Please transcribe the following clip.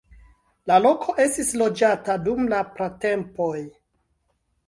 La loko estis loĝata dum la pratempoj.